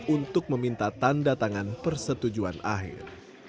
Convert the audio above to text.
untuk meminta tanda tangan persetujuan akhir